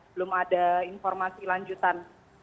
belum ada informasi lanjutan